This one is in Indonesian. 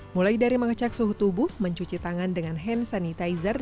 mulai dari mengecek suhu tubuh mencuci tangan dengan hand sanitizer